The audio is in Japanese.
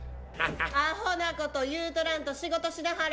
アホなこと言うとらんと仕事しなはれ。